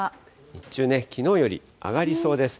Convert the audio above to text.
日中、きのうより上がりそうです。